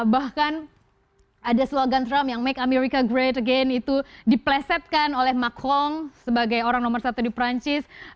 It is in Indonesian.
bahkan ada slogan trump yang make america great again itu diplesetkan oleh makong sebagai orang nomor satu di perancis